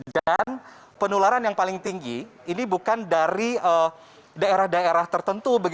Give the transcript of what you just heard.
dan penularan yang paling tinggi ini bukan dari daerah daerah tertentu